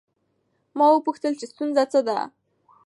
ما وپوښتل چې ستونزه څه ده؟